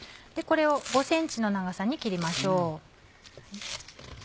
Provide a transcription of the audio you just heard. これを５ｃｍの長さに切りましょう。